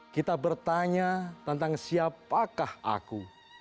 kita bertanya tentang siapakah aku